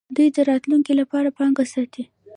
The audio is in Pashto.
دوی د راتلونکي لپاره پانګه ساتي.